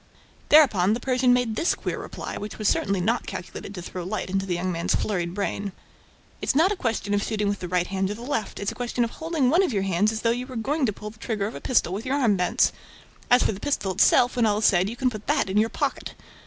Thereupon, the Persian made this queer reply, which was certainly not calculated to throw light into the young man's flurried brain: "It's not a question of shooting with the right hand or the left; it's a question of holding one of your hands as though you were going to pull the trigger of a pistol with your arm bent. As for the pistol itself, when all is said, you can put that in your pocket!"